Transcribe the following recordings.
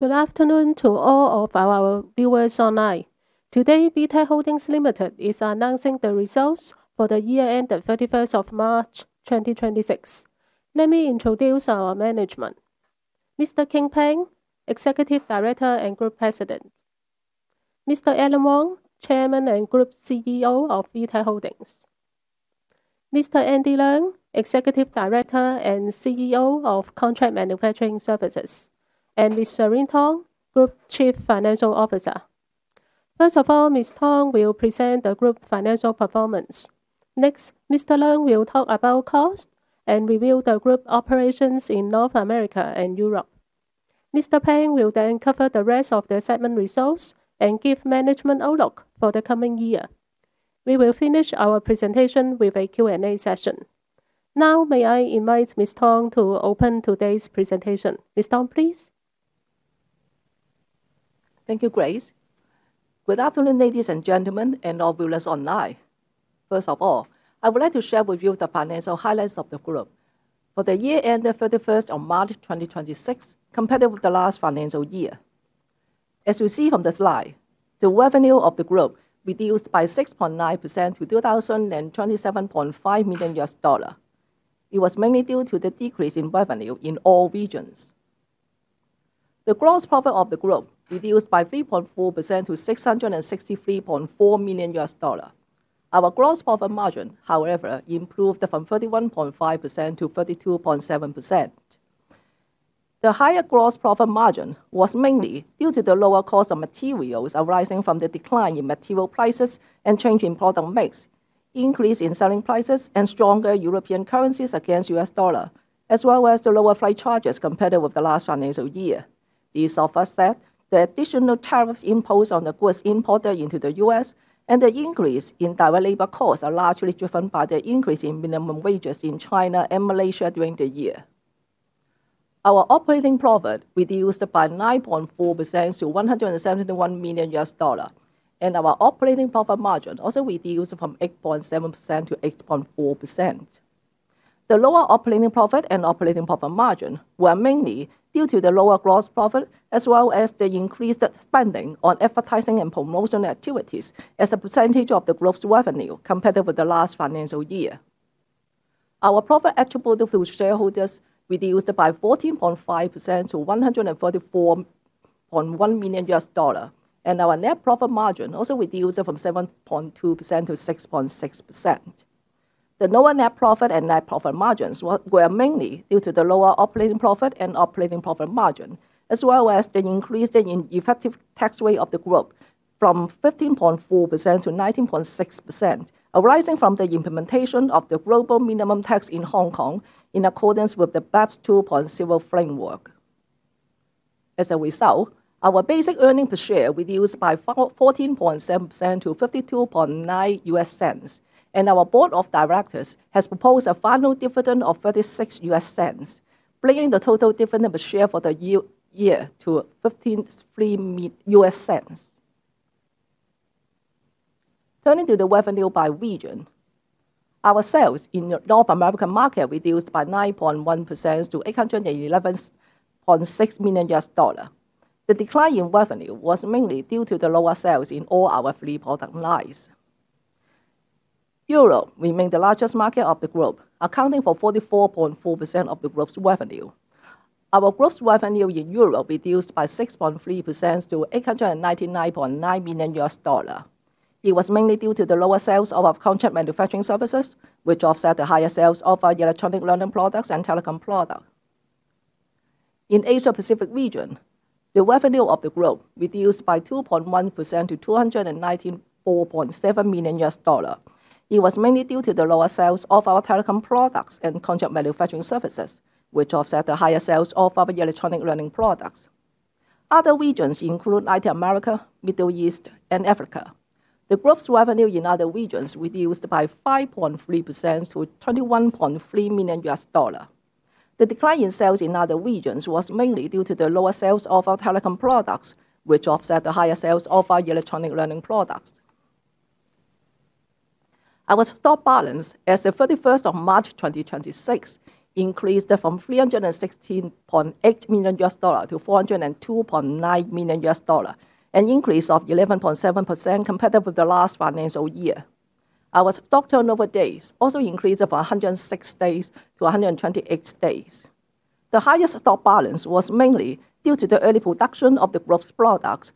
Good afternoon to all of our viewers online. Today, VTech Holdings Limited is announcing the results for the year end, the 31st of March 2026. Let me introduce our management, Mr. King Pang, Executive Director and Group President. Mr. Allan Wong, Chairman and Group CEO of VTech Holdings. Mr. Andy Leung, Executive Director and CEO of Contract Manufacturing Services, and Ms. Shereen Tong, Group Chief Financial Officer. First of all, Ms. Tong will present the group financial performance. Next, Mr. Leung will talk about cost and review the group operations in North America and Europe. Mr. Pang will then cover the rest of the segment results and give management outlook for the coming year. We will finish our presentation with a Q&A session. Now may I invite Ms. Tong to open today's presentation. Ms. Tong, please. Thank you, Grace. Good afternoon, ladies and gentlemen, and all viewers online. First of all, I would like to share with you the financial highlights of the group for the year end the 31st of March 2026 compared with the last financial year. As we see from the slide, the revenue of the group reduced by 6.9% to $2,027.5 million. It was mainly due to the decrease in revenue in all regions. The gross profit of the group reduced by 3.4% to $663.4 million. Our gross profit margin, however, improved from 31.5% to 32.7%. The higher gross profit margin was mainly due to the lower cost of materials arising from the decline in material prices and change in product mix, increase in selling prices, and stronger European currencies against U.S. dollar, as well as the lower freight charges compared with the last financial year. These offset the additional tariffs imposed on the goods imported into the U.S. and the increase in direct labor costs are largely driven by the increase in minimum wages in China and Malaysia during the year. Our operating profit reduced by 9.4% to $171 million, Our operating profit margin also reduced from 8.7% to 8.4%. The lower operating profit and operating profit margin were mainly due to the lower gross profit, as well as the increased spending on advertising and promotion activities as a percentage of the group's revenue compared with the last financial year. Our profit attributable to shareholders reduced by 14.5% to $144.1 million. Our net profit margin also reduced from 7.2% to 6.6%. The lower net profit and net profit margins were mainly due to the lower operating profit and operating profit margin, as well as the increase in effective tax rate of the group from 15.4% to 19.6%, arising from the implementation of the global minimum tax in Hong Kong in accordance with the BEPS 2.0 framework. As a result, our basic earning per share reduced by 14.7% to $0.529, and our Board of Directors has proposed a final dividend of $0.36, bringing the total dividend per share for the year to $0.153. Turning to the revenue by region, our sales in North American market reduced by 9.1% to $811.6 million. The decline in revenue was mainly due to the lower sales in all our three product lines. Europe remained the largest market of the group, accounting for 44.4% of the group's revenue. Our gross revenue in Europe reduced by 6.3% to $899.9 million. It was mainly due to the lower sales of our Contract Manufacturing Services, which offset the higher sales of our Electronic Learning Products and telecom product. In Asia Pacific region, the revenue of the group reduced by 2.1% to $294.7 million. It was mainly due to the lower sales of our telecom products and Contract Manufacturing Services, which offset the higher sales of our Electronic Learning Products. Other regions include Latin America, Middle East, and Africa. The group's revenue in other regions reduced by 5.3% to $21.3 million. The decline in sales in other regions was mainly due to the lower sales of our telecom products, which offset the higher sales of our Electronic Learning Products. Our stock balance as of March 31, 2026 increased from $316.8 million to $402.9 million, an increase of 11.7% compared with the last financial year. Our stock turnover days also increased from 106 days to 128 days. The highest stock balance was mainly due to the early production of the group's products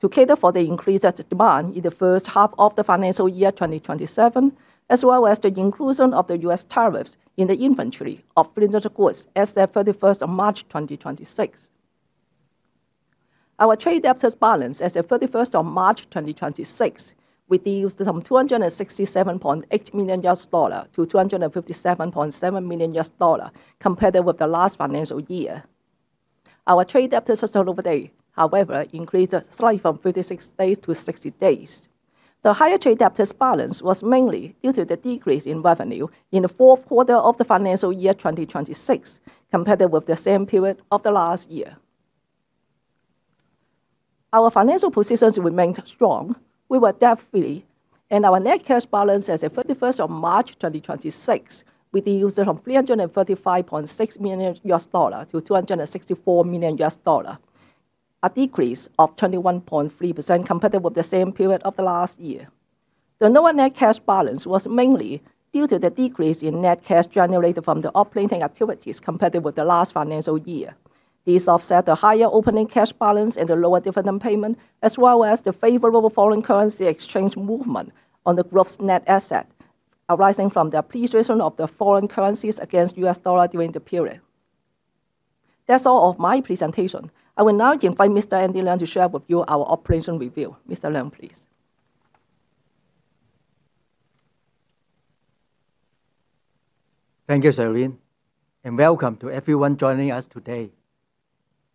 to cater for the increased demand in the first half of the financial year 2027, as well as the inclusion of the U.S. tariffs in the inventory of finished goods as at March 31st, 2026. Our trade debtors balance as of March 31st, 2026 reduced from $267.8 million to $257.7 million compared with the last financial year. Our trade debtors turnover day, however, increased slightly from 36 days to 60 days. The higher trade debtors balance was mainly due to the decrease in revenue in the fourth quarter of the financial year 2026 compared with the same period of the last year. Our financial positions remained strong. We were debt-free, and our net cash balance as at 31st of March 2026 reduced from $335.6 million to $264 million, a decrease of 21.3% comparable to the same period of the last year. The lower net cash balance was mainly due to the decrease in net cash generated from the operating activities comparable to the last financial year. These offset the higher opening cash balance and the lower dividend payment, as well as the favorable foreign currency exchange movement on the group's net asset, arising from the appreciation of the foreign currencies against U.S. dollar during the period. That's all of my presentation. I will now invite Mr. Andy Leung to share with you our operation review. Mr. Leung, please. Thank you, Shereen, and welcome to everyone joining us today.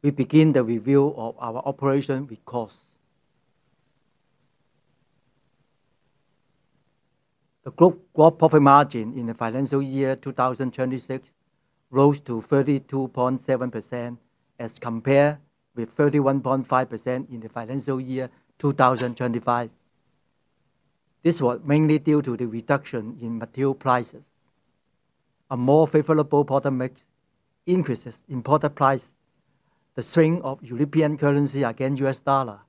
We begin the review of our operation with costs. The group gross profit margin in the financial year 2026 rose to 32.7% as compared with 31.5% in the financial year 2025. This was mainly due to the reduction in material prices. A more favorable product mix, increases in product price, the strength of European currency against U.S. dollar,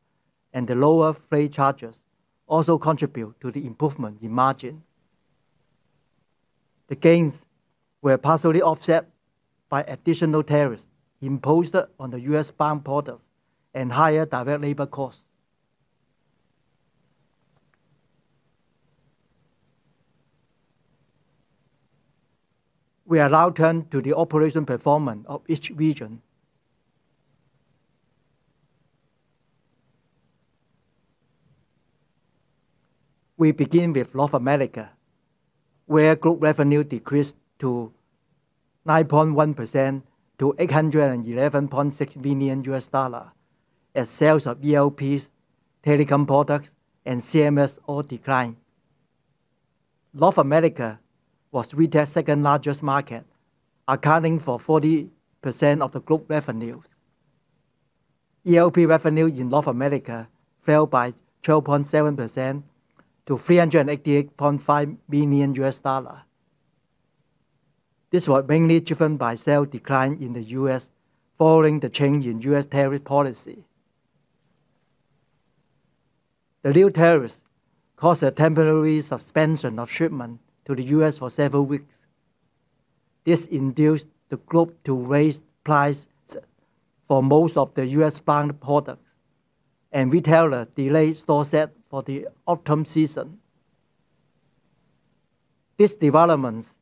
and the lower freight charges also contribute to the improvement in margin. The gains were partially offset by additional tariffs imposed on the U.S.-bound products and higher direct labor costs. We now turn to the operation performance of each region. We begin with North America, where group revenue decreased to 9.1% to $811.6 million as sales of ELPs, telecom products, and CMS all declined. North America was VTech's second-largest market, accounting for 40% of the group revenues. ELP revenue in North America fell by 12.7% to $388.5 million. This was mainly driven by sales decline in the U.S. following the change in U.S. tariff policy. The new tariffs caused a temporary suspension of shipment to the U.S. for several weeks. This induced the group to raise prices for most of the U.S.-bound products, and VTech delayed store set for the autumn season. These developments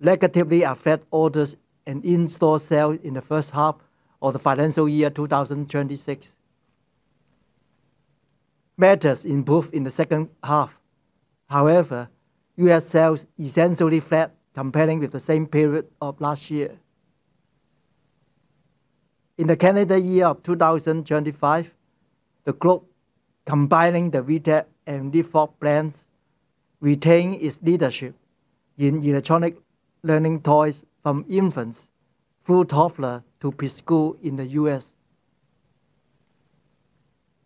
negatively affect orders and in-store sales in the first half of the financial year 2026. Matters improved in the second half, however, U.S. sales essentially flat comparing with the same period of last year. In the calendar year of 2025, the group, combining the VTech and LeapFrog brands, retained its leadership in electronic learning toys from infants through toddler to preschool in the U.S.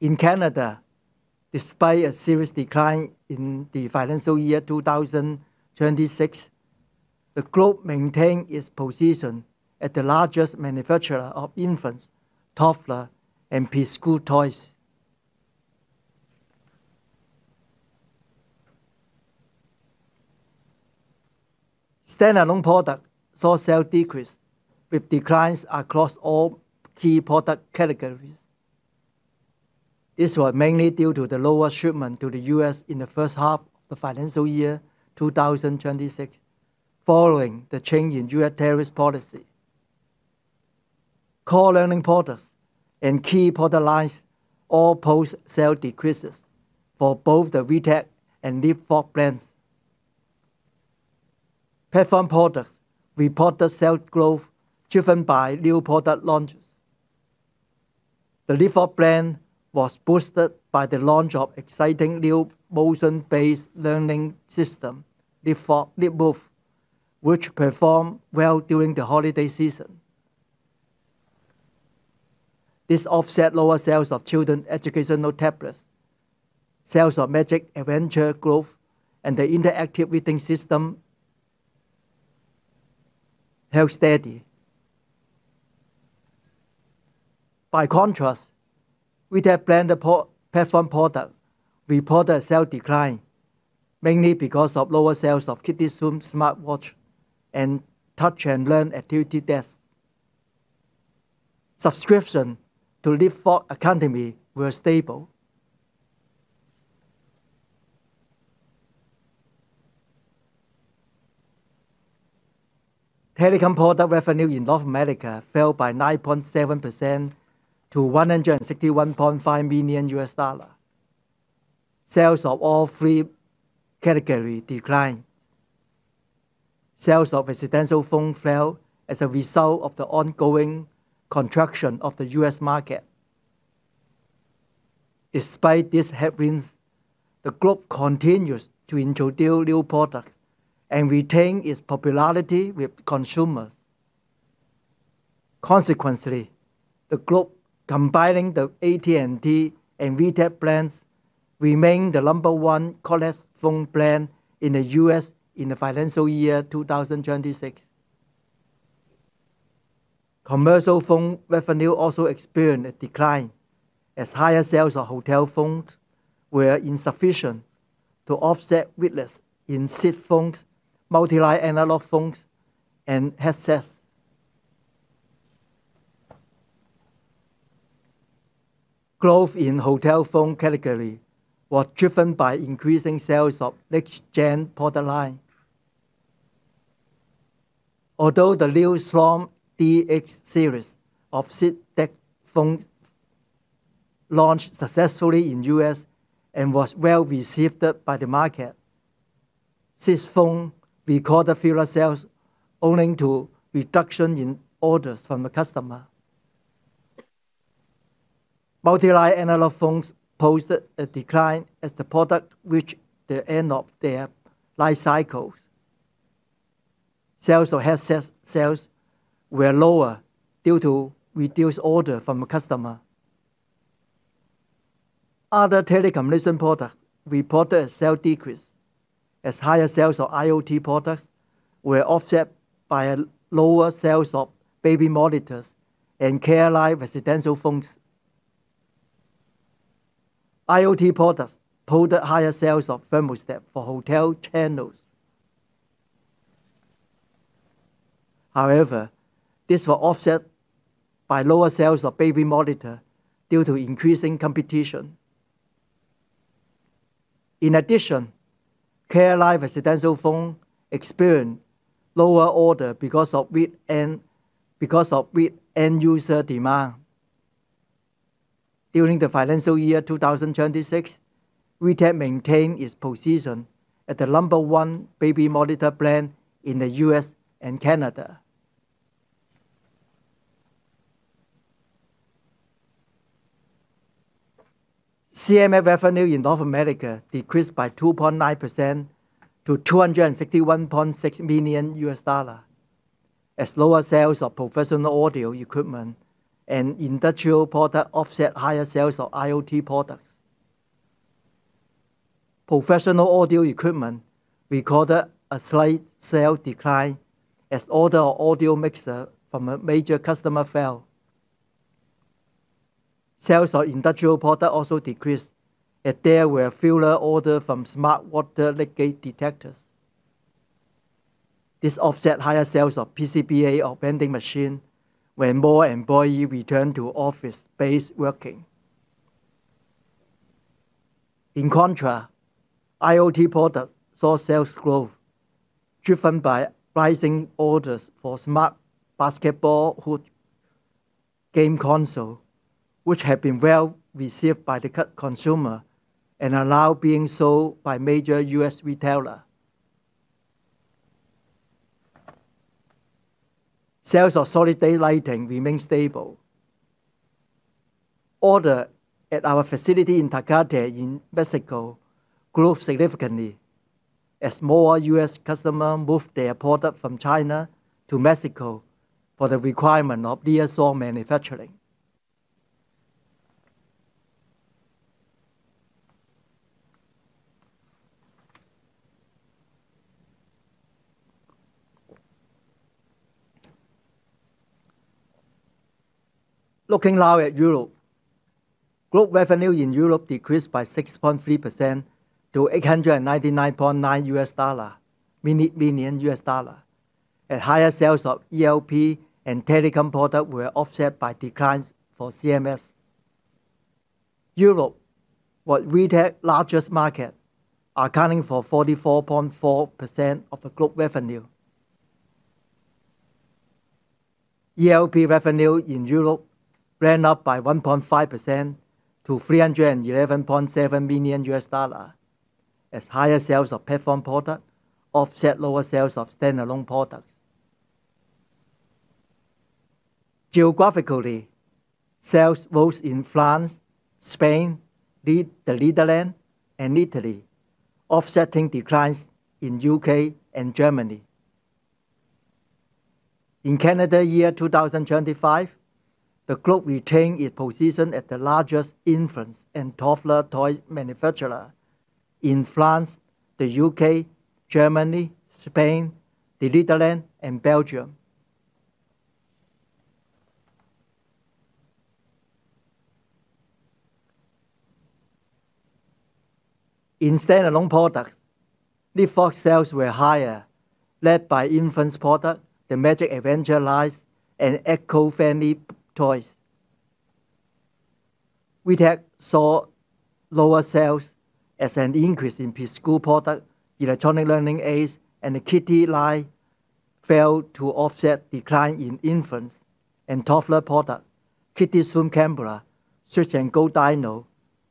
In Canada, despite a serious decline in the financial year 2026, the group maintained its position as the largest manufacturer of infants, toddler, and preschool toys. Standalone product saw sales decrease with declines across all key product categories. This was mainly due to the lower shipment to the U.S. in the first half of the financial year 2026, following the change in U.S. tariff policy. Core learning products and key product lines all post sales decreases for both the VTech and LeapFrog brands. Platform products reported sales growth driven by new product launches. The LeapFrog brand was boosted by the launch of exciting new motion-based learning system, LeapMove, which performed well during the holiday season. This offset lower sales of children's educational tablets. Sales of Magic Adventures Globe and the interactive reading system held steady. By contrast, VTech brand platform product reported a sales decline, mainly because of lower sales of KidiZoom Smartwatch and Touch & Learn Activity Desk. Subscription to LeapFrog Academy were stable. Telecom product revenue in North America fell by 9.7% to $161.5 million. Sales of all three categories declined. Sales of residential phone fell as a result of the ongoing contraction of the U.S. market. Despite these headwinds, the group continues to introduce new products and retain its popularity with consumers. Consequently, the group combining the AT&T and VTech brands remained the number one cordless phone brand in the U.S. in the financial year 2026. Commercial phone revenue also experienced a decline as higher sales of hotel phones were insufficient to offset weakness in SIP phones, multi-line analog phones, and headsets. Growth in hotel phone category was driven by increasing sales of next-gen product line. Although the new Snom DX series of SIP DECT phones launched successfully in the U.S. and was well-received by the market, SIP phone recorded fewer sales owing to reduction in orders from a customer. Multi-line analog phones posted a decline as the product reached the end of their life cycles. Sales of headsets were lower due to reduced order from a customer. Other telecommunication products reported a sale decrease as higher sales of IoT products were offset by lower sales of baby monitors and CareLine residential phones. IoT products posted higher sales of thermostats for hotel channels. However, this was offset by lower sales of baby monitor due to increasing competition. In addition, CareLine residential phone experienced lower order because of weak end-user demand. During the financial year 2026, VTech maintained its position as the number one baby monitor brand in the U.S. and Canada. CMS revenue in North America decreased by 2.9% to $261.6 million, as lower sales of professional audio equipment and industrial product offset higher sales of IoT products. Professional audio equipment recorded a slight sale decline as order of audio mixer from a major customer fell. Sales of industrial product also decreased, and there were fewer order from smart water leakages detectors. This offset higher sales of PCBA or vending machine when more employee returned to office-based working. In contrast, IoT products saw sales growth driven by rising orders for smart basketball hoop game console, which have been well-received by the consumer and are now being sold by major U.S. retailer. Sales of solid-state lighting remained stable. Order at our facility in Tecate in Mexico grew significantly as more U.S. customer moved their product from China to Mexico for the requirement of nearshore manufacturing. Looking now at Europe. Group revenue in Europe decreased by 6.3% to $899.9 million, as higher sales of ELP and telecom product were offset by declines for CMS. Europe was VTech's largest market, accounting for 44.4% of the group revenue. ELP revenue in Europe ran up by 1.5% to $311.7 million, as higher sales of platform product offset lower sales of standalone products. Geographically, sales rose in France, Spain, the Netherlands, and Italy, offsetting declines in U.K. and Germany. In Canada year 2025, the group retained its position as the largest infants and toddler toy manufacturer in France, the U.K., Germany, Spain, the Netherlands, and Belgium. In standalone products, LeapFrog sales were higher, led by infants product, the Magic Adventure lines, and eco-friendly toys. VTech saw lower sales as an increase in preschool product, electronic learning aids, and the Kidi line failed to offset decline in infants and toddler product, KidiZoom Camera, Switch & Go Dinos,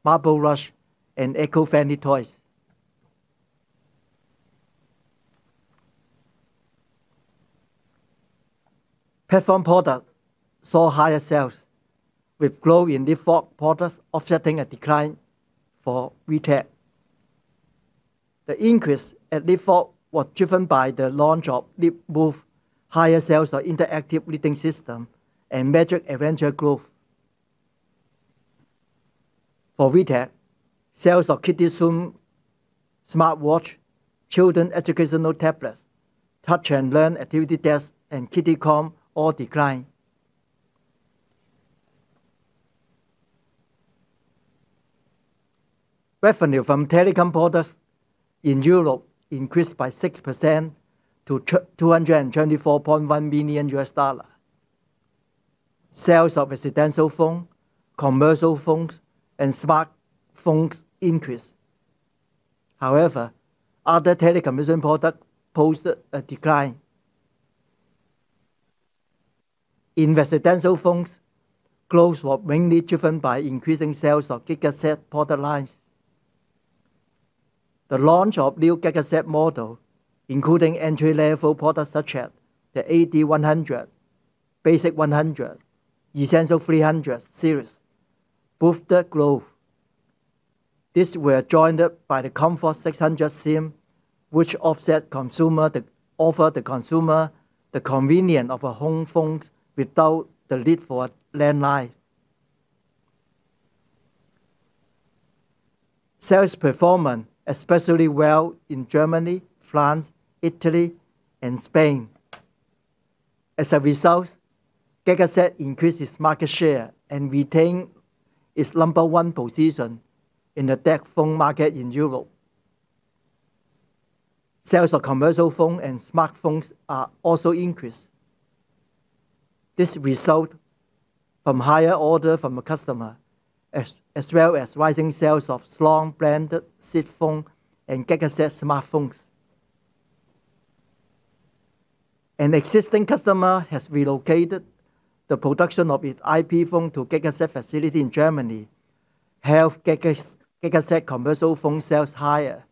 Marble Rush, and eco-friendly toys. Platform product saw higher sales with growth in default products offsetting a decline for VTech. The increase at LeapFrog was driven by the launch of LeapMove, higher sales of interactive reading system, and Magic Adventures Globe. For VTech, sales of KidiZoom Smartwatch, children educational tablets, Touch & Learn Activity Desk, and KidiCom all declined. Revenue from telecom products in Europe increased by 6% to $224.1 million. Sales of residential phone, commercial phones, and smartphones increased. Other telecommunication products posted a decline. In residential phones, growth was mainly driven by increasing sales of Gigaset product lines. The launch of new Gigaset model, including entry-level products such as the AD100, Basic 100, Essential 300 series, boosted growth. These were joined by the Comfort 600 SIM, which offer the consumer the convenience of a home phone without the need for a landline. Sales performance especially well in Germany, France, Italy, and Spain. As a result, Gigaset increased its market share and retained its number one position in the DECT phone market in Europe. Sales of commercial phone and smartphones are also increased. This result from higher order from a customer, as well as rising sales of Snom-branded SIP phone and Gigaset smartphones. An existing customer has relocated the production of its IP phone to Gigaset facility in Germany, helped Gigaset commercial phone sales higher.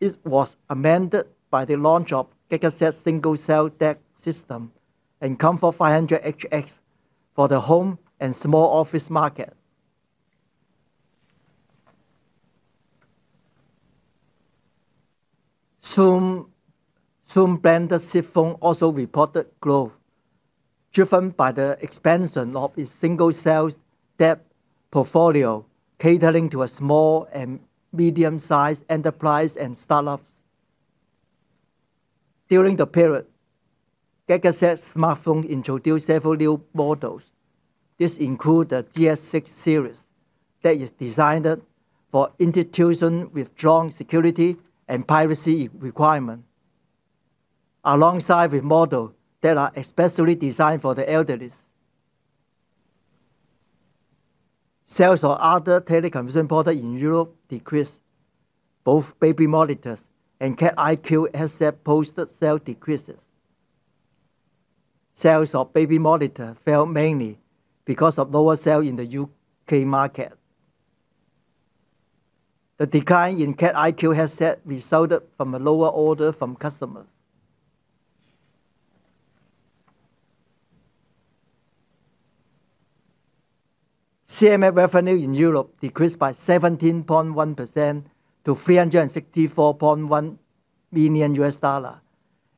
It was amended by the launch of Gigaset Single Cell DECT system and COMFORT 500HX for the home and small office market. Snom-branded SIP phone also reported growth, driven by the expansion of its Single Cell DECT portfolio, catering to a small and medium-sized enterprise and startups. During the period, Gigaset smartphone introduced several new models. This include the GS6 series that is designed for institution with strong security and privacy requirement, alongside with model that are especially designed for the elderlies. Sales of other telecommunication product in Europe decreased. Both baby monitors and CAT-iq headset posted sale decreases. Sales of baby monitor fell mainly because of lower sale in the U.K. market. The decline in CAT-iq headset resulted from a lower order from customers. CMS revenue in Europe decreased by 17.1% to $364.1 million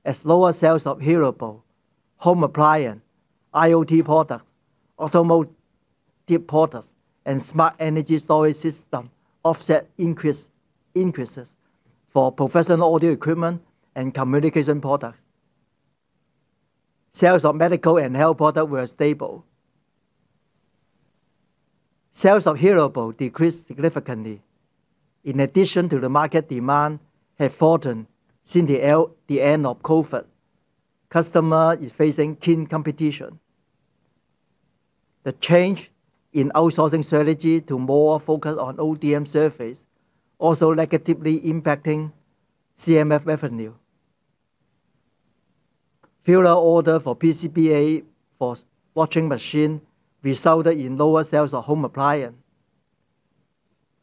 as lower sales of hearable, home appliance, IoT products, automotive products, and smart energy storage system offset increases for professional audio equipment and communication products. Sales of medical and health product were stable. Sales of hearable decreased significantly. In addition to the market demand have fallen since the end of COVID, customer is facing keen competition. The change in outsourcing strategy to more focus on ODM service also negatively impacting CMS revenue. Filler order for PCBA for washing machine resulted in lower sales of home appliance.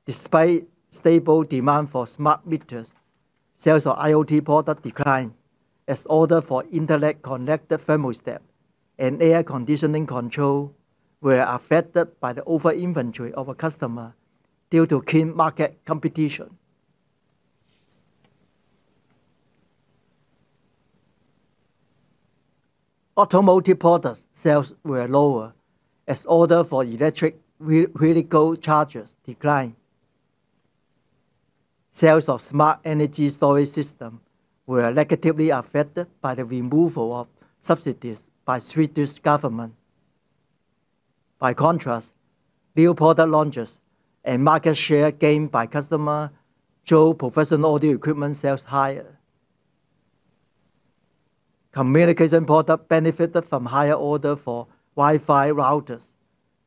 Despite stable demand for smart meters, sales of IoT product declined as order for internet-connected thermostat and air conditioning control were affected by the over-inventory of a customer due to keen market competition. Automotive products sales were lower as order for electric vehicle chargers declined. Sales of smart energy storage system were negatively affected by the removal of subsidies by Swedish government. By contrast, new product launches and market share gain by customer drove professional audio equipment sales higher. Communication product benefited from higher order for Wi-Fi routers.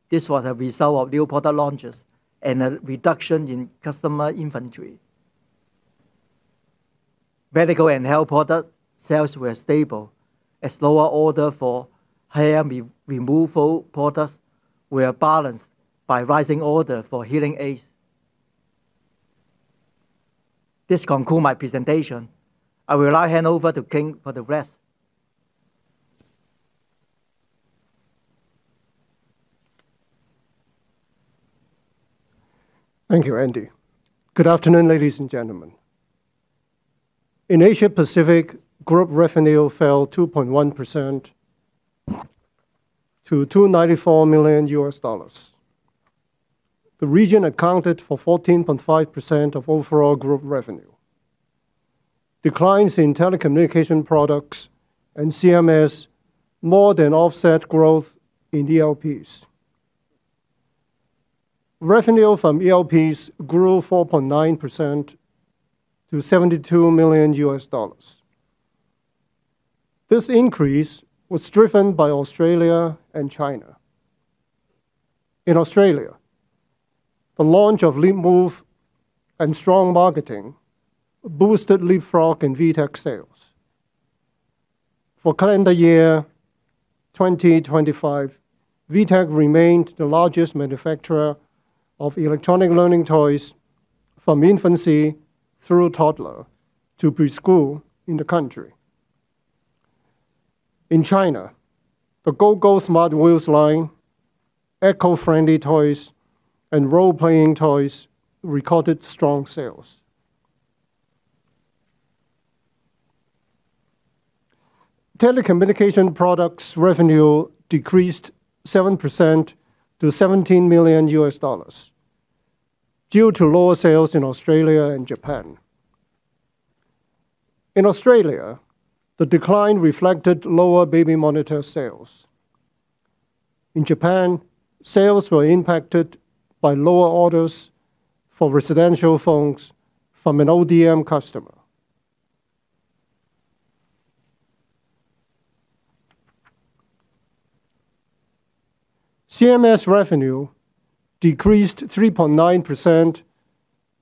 This was a result of new product launches and a reduction in customer inventory. Medical and health product sales were stable as lower order for hair removal products were balanced by rising order for hearing aids. This conclude my presentation. I will now hand over to King for the rest. Thank you, Andy. Good afternoon, ladies and gentlemen. In Asia-Pacific, group revenue fell 2.1% to $294 million. The region accounted for 14.5% of overall group revenue. Declines in telecommunication products and CMS more than offset growth in ELPs. Revenue from ELPs grew 4.9% to $72 million. This increase was driven by Australia and China. In Australia, the launch of LeapMove and strong marketing boosted LeapFrog and VTech sales. For calendar year 2025, VTech remained the largest manufacturer of electronic learning toys from infancy through toddler to preschool in the country. In China, the Go! Go! Smart Wheels line, eco-friendly toys, and role-playing toys recorded strong sales. Telecommunication products revenue decreased 7% to $17 million due to lower sales in Australia and Japan. In Australia, the decline reflected lower baby monitor sales. In Japan, sales were impacted by lower orders for residential phones from an ODM customer. CMS revenue decreased 3.9%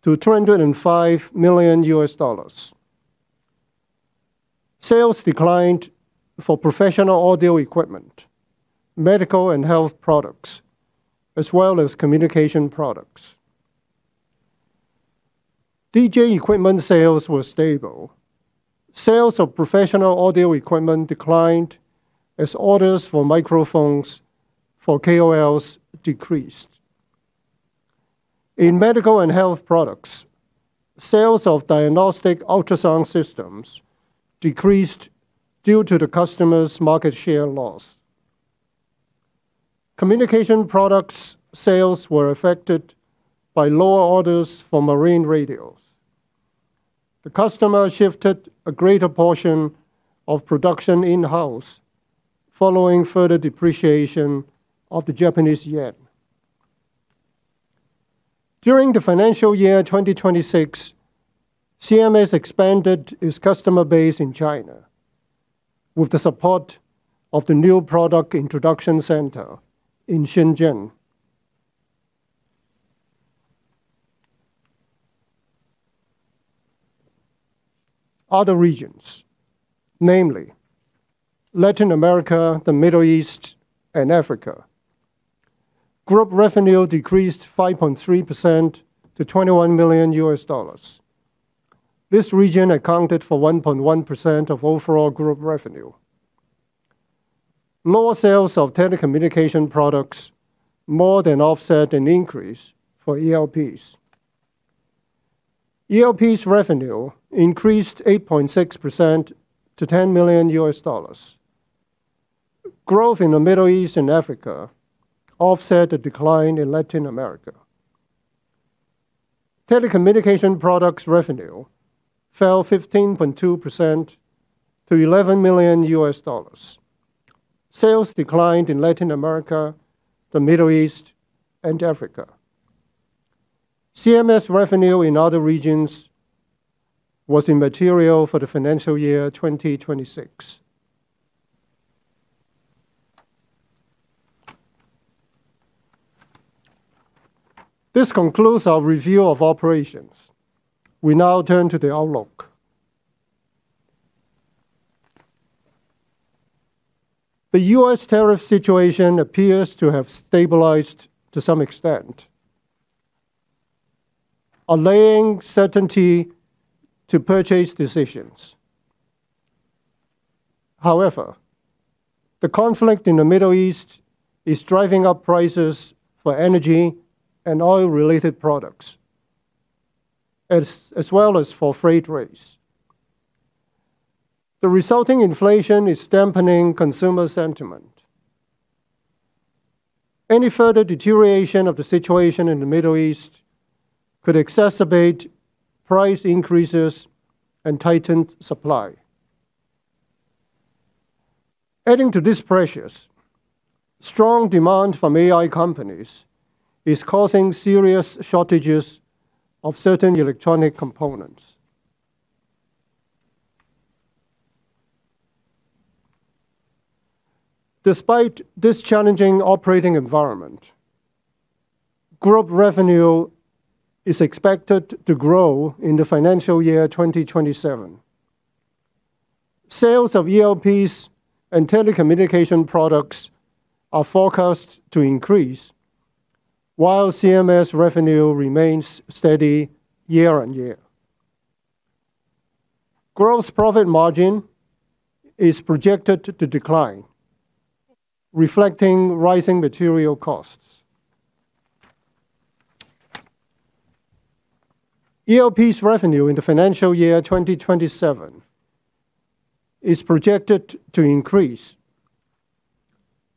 to $205 million. Sales declined for professional audio equipment, medical and health products, as well as communication products. DJ equipment sales were stable. Sales of professional audio equipment declined as orders for microphones for KOLs decreased. In medical and health products, sales of diagnostic ultrasound systems decreased due to the customer's market share loss. Communication products sales were affected by lower orders for marine radios. The customer shifted a greater portion of production in-house following further depreciation of the Japanese yen. During the financial year 2026, CMS expanded its customer base in China with the support of the new product introduction center in Shenzhen. Other regions, namely Latin America, the Middle East, and Africa, group revenue decreased 5.3% to $21 million. This region accounted for 1.1% of overall group revenue. Lower sales of telecommunication products more than offset an increase for ELPs. ELPs revenue increased 8.6% to $10 million. Growth in the Middle East and Africa offset a decline in Latin America. Telecommunication products revenue fell 15.2% to $11 million. Sales declined in Latin America, the Middle East, and Africa. CMS revenue in other regions was immaterial for the financial year 2026. This concludes our review of operations. We now turn to the outlook. The U.S. tariff situation appears to have stabilized to some extent, allaying uncertainty to purchase decisions. The conflict in the Middle East is driving up prices for energy and oil-related products, as well as for freight rates. The resulting inflation is dampening consumer sentiment. Any further deterioration of the situation in the Middle East could exacerbate price increases and tightened supply. Adding to these pressures, strong demand from AI companies is causing serious shortages of certain electronic components. Despite this challenging operating environment, group revenue is expected to grow in the financial year 2027. Sales of ELPs and telecommunication products are forecast to increase while CMS revenue remains steady year-on-year. Gross profit margin is projected to decline, reflecting rising material costs. ELPs revenue in the financial year 2027 is projected to increase,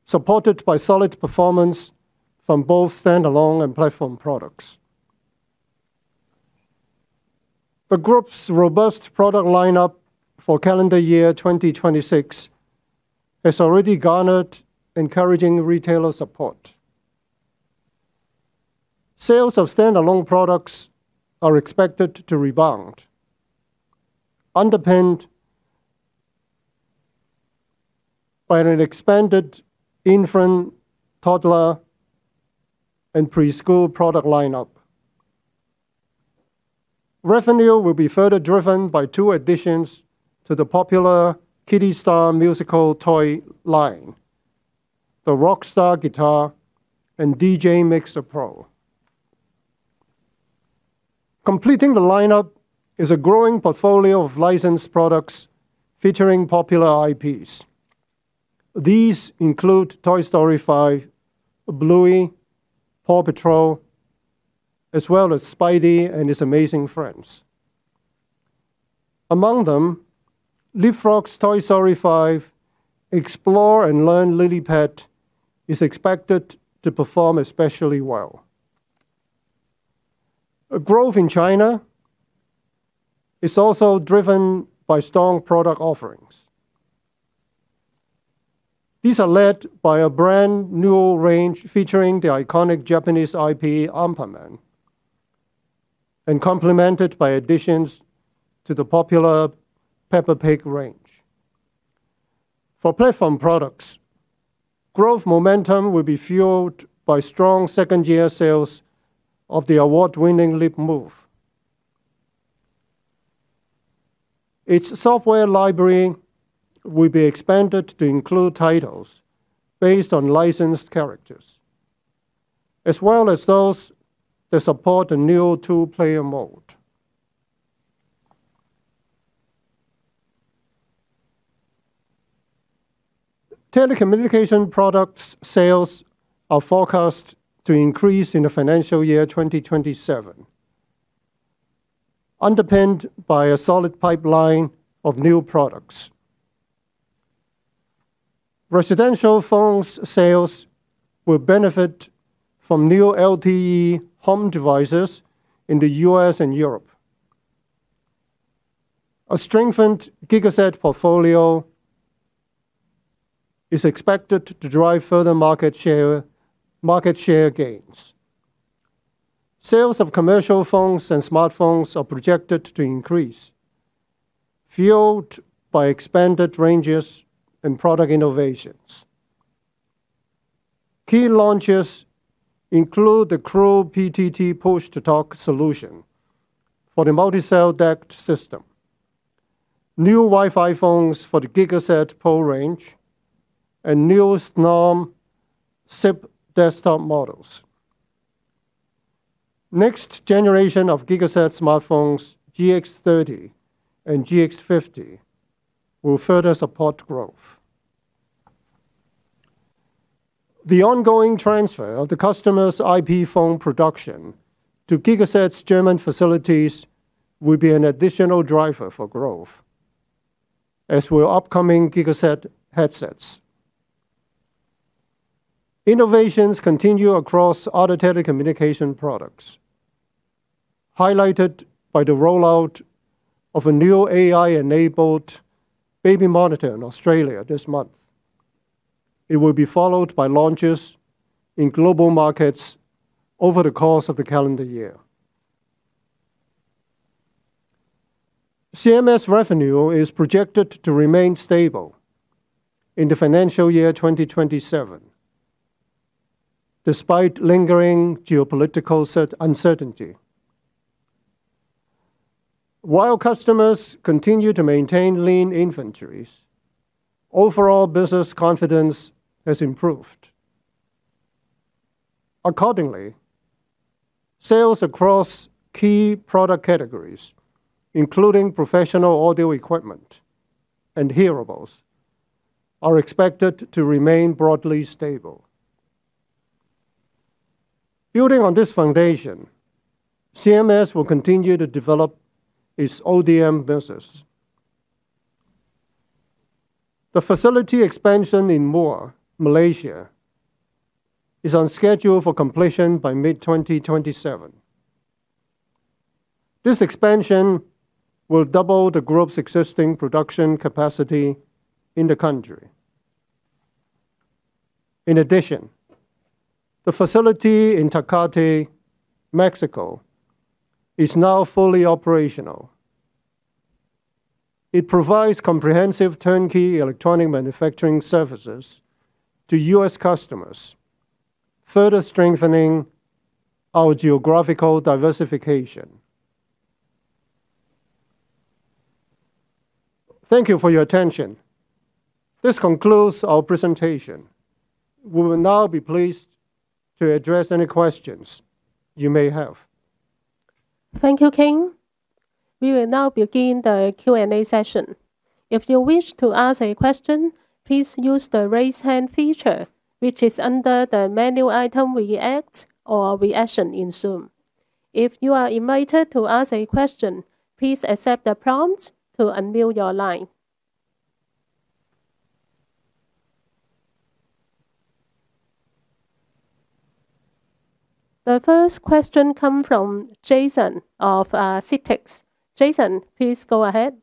supported by solid performance from both standalone and platform products. The group's robust product lineup for calendar year 2026 has already garnered encouraging retailer support. Sales of standalone products are expected to rebound, underpinned by an expanded infant, toddler, and preschool product lineup. Revenue will be further driven by two additions to the popular Kidi Star musical toy line, the Kidi Star Rockstar Guitar and DJ Mixer Pro. Completing the lineup is a growing portfolio of licensed products featuring popular IPs. These include "Toy Story 5," "Bluey," "PAW Patrol," as well as "Spidey and His Amazing Friends." Among them, LeapFrog's "Toy Story 5" Explore & Learn LilyPad is expected to perform especially well. Growth in China is also driven by strong product offerings. These are led by a brand-new range featuring the iconic Japanese IP Anpanman and complemented by additions to the popular Peppa Pig range. For platform products, growth momentum will be fueled by strong second-year sales of the award-winning LeapMove. Its software library will be expanded to include titles based on licensed characters, as well as those that support a new two-player mode. Telecommunication products sales are forecast to increase in the financial year 2027, underpinned by a solid pipeline of new products. Residential phones sales will benefit from new LTE home devices in the U.S. and Europe. A strengthened Gigaset portfolio is expected to drive further market share gains. Sales of commercial phones and smartphones are projected to increase, fueled by expanded ranges and product innovations. Key launches include the CrewPTT push-to-talk solution for the multi-cell DECT system, new Wi-Fi phones for the Gigaset Pro range, and new Snom SIP desktop models. Next generation of Gigaset smartphones, GX30 and GX50, will further support growth. The ongoing transfer of the customer's IP phone production to Gigaset's German facilities will be an additional driver for growth, as will upcoming Gigaset headsets. Innovations continue across other telecommunication products, highlighted by the rollout of a new AI-enabled baby monitor in Australia this month. It will be followed by launches in global markets over the course of the calendar year. CMS revenue is projected to remain stable in the financial year 2027, despite lingering geopolitical uncertainty. While customers continue to maintain lean inventories, overall business confidence has improved. Accordingly, sales across key product categories, including professional audio equipment and hearables, are expected to remain broadly stable. Building on this foundation, CMS will continue to develop its ODM business. The facility expansion in Muar, Malaysia is on schedule for completion by mid-2027. This expansion will double the group's existing production capacity in the country. In addition, the facility in Tecate, Mexico is now fully operational. It provides comprehensive turnkey electronic manufacturing services to U.S. customers, further strengthening our geographical diversification. Thank you for your attention This concludes our presentation. We will now be pleased to address any questions you may have. Thank you, King. We will now begin the Q&A session. If you wish to ask a question, please use the raise hand feature, which is under the menu item React or Reaction in Zoom. If you are invited to ask a question, please accept the prompt to unmute your line. The first question come from Jason of CITIC. Jason, please go ahead.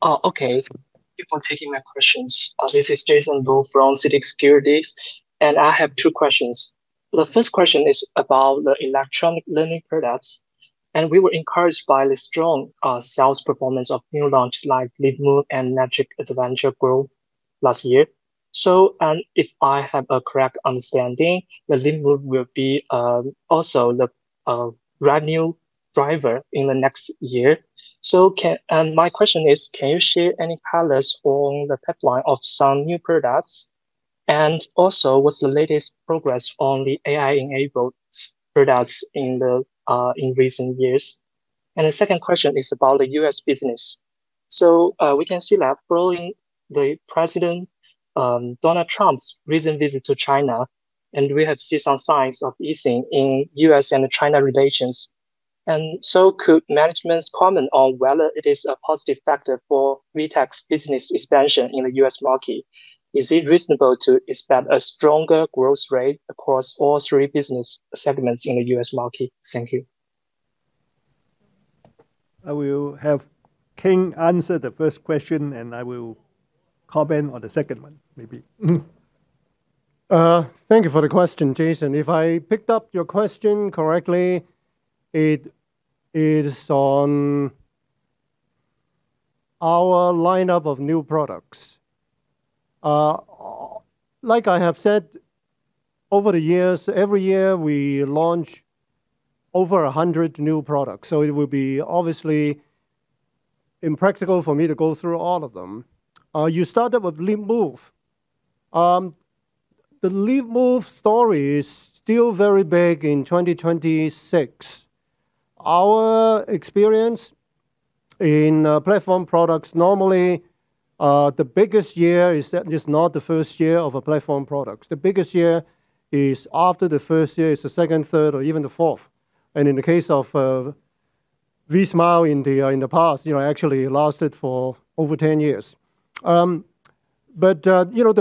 Oh, okay. Thank you for taking my questions. This is Jason Lu from CITIC Securities, and I have two questions. The first question is about the electronic learning products. We were encouraged by the strong sales performance of new launch like LeapMove and Magic Adventures Globe last year. If I have a correct understanding, the LeapMove will be also the brand-new driver in the next year. My question is, can you share any colors on the pipeline of some new products? Also, what's the latest progress on the AI-enabled products in recent years? The second question is about the U.S. business. We can see that following the President Donald Trump's recent visit to China, and we have seen some signs of easing in U.S. and China relations. Could management's comment on whether it is a positive factor for VTech's business expansion in the U.S. market? Is it reasonable to expect a stronger growth rate across all three business segments in the U.S. market? Thank you. I will have King answer the first question, and I will comment on the second one, maybe. Thank you for the question, Jason. If I picked up your question correctly, it is on our lineup of new products. Like I have said, over the years, every year we launch over 100 new products. It will be obviously impractical for me to go through all of them. You started with LeapMove. The LeapMove story is still very big in 2026. Our experience in platform products, normally, the biggest year is not the first year of a platform product. The biggest year is after the first year. It's the second, third, or even the fourth. In the case of V.Smile in the past, actually lasted for over 10 years. The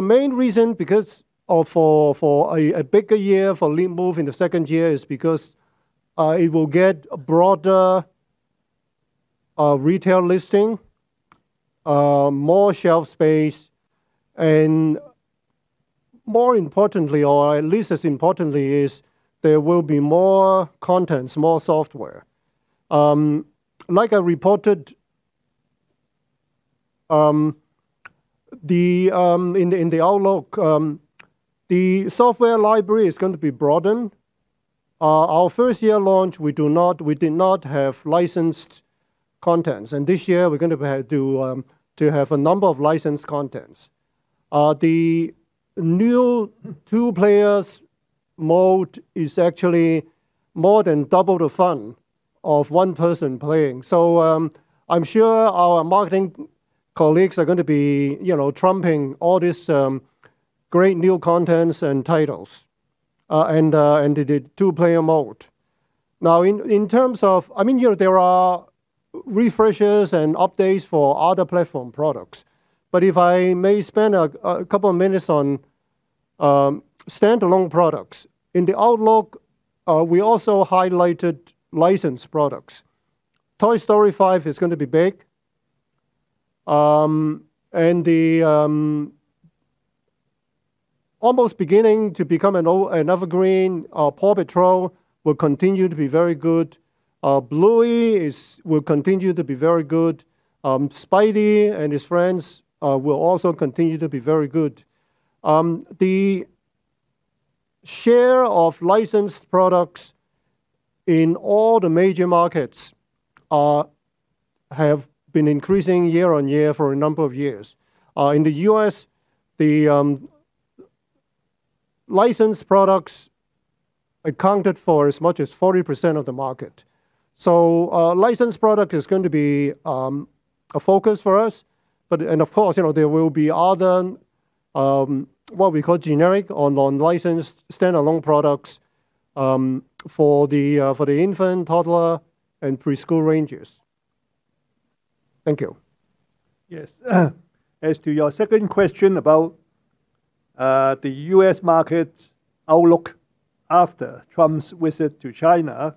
main reason because for a bigger year for LeapMove in the second year is because it will get a broader retail listing, more shelf space, and more importantly, or at least as importantly, is there will be more contents, more software. Like I reported in the outlook, the software library is going to be broadened. Our first-year launch, we did not have licensed contents. This year, we're going to have a number of licensed contents. The new two players mode is actually more than double the fun of one person playing. I'm sure our marketing colleagues are going to be trumping all these great new contents and titles, and the two-player mode. There are refreshes and updates for other platform products. If I may spend a couple of minutes on standalone products. In the outlook, we also highlighted licensed products. Toy Story 5" is going to be big. The almost beginning to become an evergreen, "PAW Patrol" will continue to be very good. "Bluey" will continue to be very good. "Spidey and His Amazing Friends" will also continue to be very good. The share of licensed products in all the major markets have been increasing year-over-year for a number of years. In the U.S., the licensed products accounted for as much as 40% of the market. Licensed product is going to be a focus for us. Of course, there will be other, what we call generic or non-licensed standalone products for the infant, toddler, and preschool ranges. Thank you. Yes. As to your second question about the U.S. market outlook after Trump's visit to China,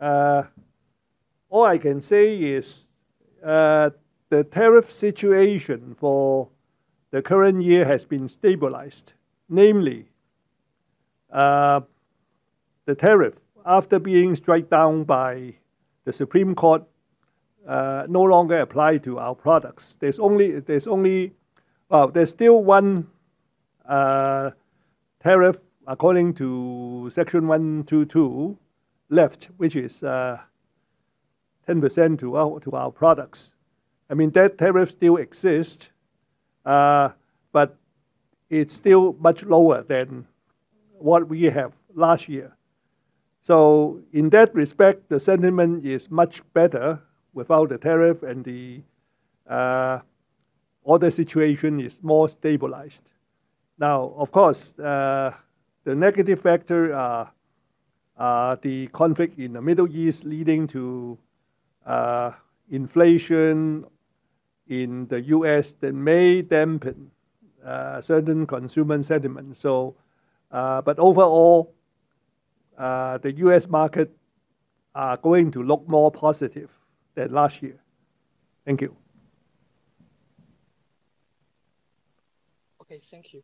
all I can say is, the tariff situation for the current year has been stabilized, namely, the tariff, after being struck down by the Supreme Court, no longer apply to our products. There's still one Tariff, according to Section 301, left, which is 10% to our products. That tariff still exists, but it's still much lower than what we have last year. In that respect, the sentiment is much better without the tariff, and the other situation is more stabilized. Of course, the negative factor, the conflict in the Middle East leading to inflation in the U.S. that may dampen certain consumer sentiment. Overall, the U.S. market are going to look more positive than last year. Thank you. Okay. Thank you.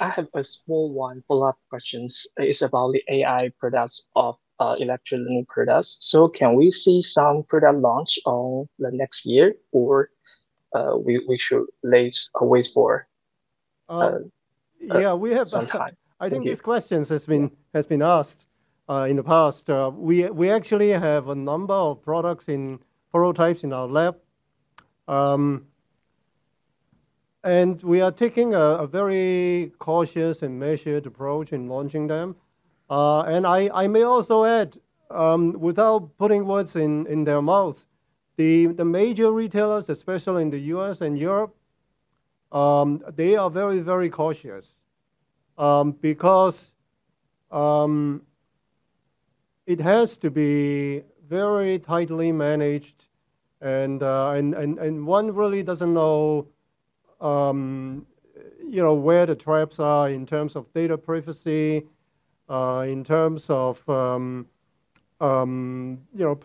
I have a small one follow-up question. It's about the AI products of electronic products. Can we see some product launch on the next year, or we should wait for- Yeah.... some time? Thank you. I think this question has been asked in the past. We actually have a number of products in prototypes in our lab. We are taking a very cautious and measured approach in launching them. I may also add, without putting words in their mouth, the major retailers, especially in the U.S. and Europe, they are very cautious. It has to be very tightly managed and one really doesn't know where the traps are in terms of data privacy, in terms of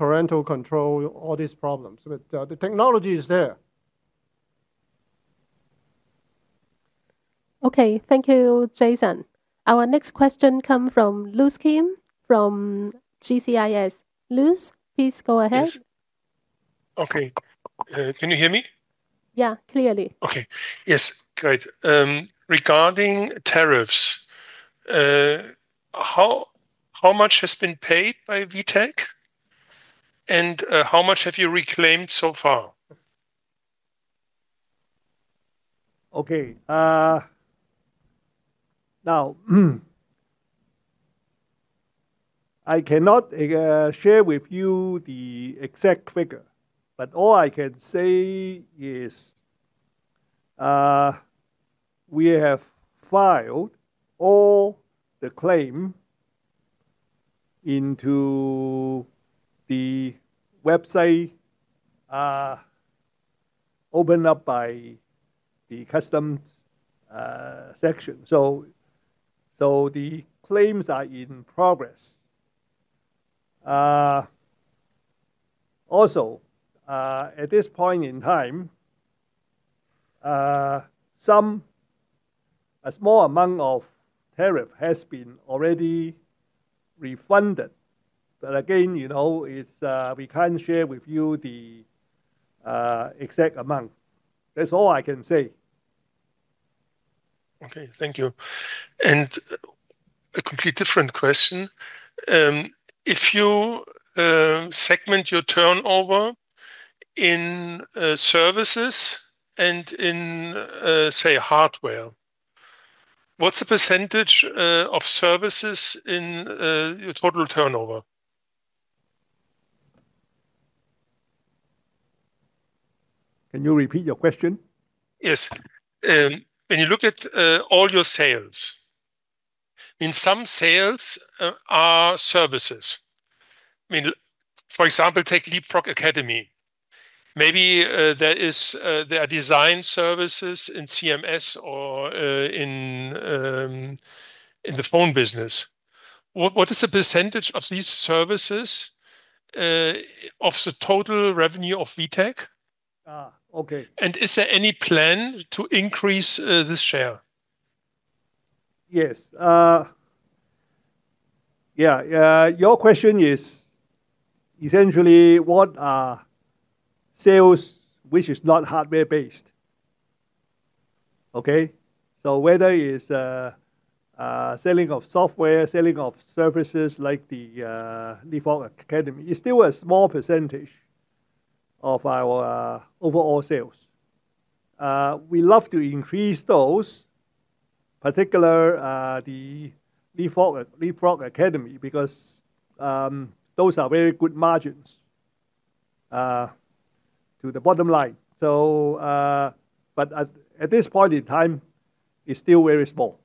parental control, all these problems. The technology is there. Okay. Thank you, Jason. Our next question come from Luz Kim from CICC. Luz, please go ahead. Yes. Okay. Can you hear me? Yeah, clearly. Okay. Yes, great. Regarding tariffs, how much has been paid by VTech, and how much have you reclaimed so far? Okay. I cannot share with you the exact figure. All I can say is, we have filed all the claim into the website opened up by the customs section. The claims are in progress. At this point in time, a small amount of tariff has been already refunded. Again, we can't share with you the exact amount. That's all I can say. Okay. Thank you. A complete different question. If you segment your turnover in services and in, say, hardware, what's the percentage of services in your total turnover? Can you repeat your question? Yes. When you look at all your sales, some sales are services. For example, take LeapFrog Academy. Maybe there are design services in CMS or in the phone business. What is the percentage of these services of the total revenue of VTech? Okay. Is there any plan to increase this share? Yes. Your question is essentially what are sales which is not hardware-based? Okay? Whether it's selling of software, selling of services like the LeapFrog Academy, it's still a small percentage of our overall sales. We love to increase those, particular the LeapFrog Academy, because those are very good margins to the bottom line. At this point in time, it's still very small.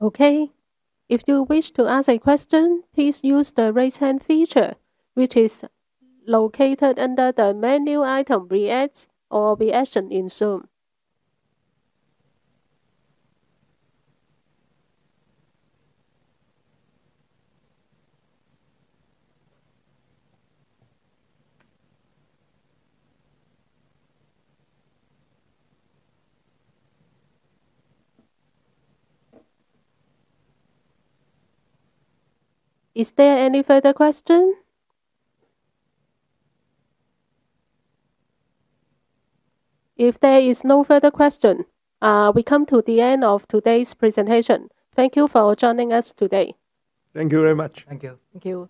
Okay. If you wish to ask a question, please use the raise hand feature, which is located under the menu item React or Reaction in Zoom. Is there any further question? If there is no further question, we come to the end of today's presentation. Thank you for joining us today. Thank you very much. Thank you. Thank you.